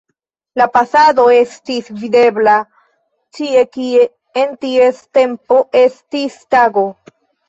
La pasado estis videbla ĉie, kie en ties tempo estis tago.